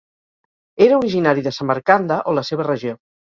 Era originari de Samarcanda o la seva regió.